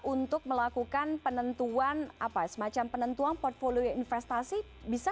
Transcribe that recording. untuk melakukan penentuan semacam penentuan portfolio investasi bisa